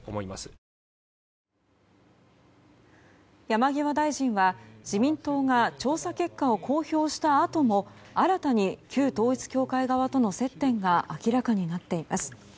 山際大臣は自民党が調査結果を公表したあとも新たに旧統一教会側との接点が明らかになっています。